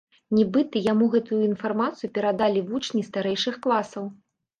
Нібыта, яму гэтую інфармацыю перадалі вучні старэйшых класаў.